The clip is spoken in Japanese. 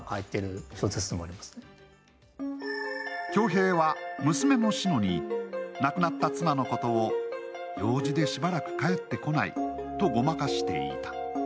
恭平は娘の志乃に亡くなった妻のことを用事でしばらく帰ってこないとごまかしていた。